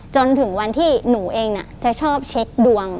จนถึงวันที่หนูเองจะชอบเช็คดวง